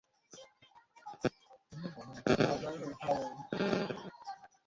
অন্য বর্ণনায় তাঁর বয়স ছিল আশি বছর।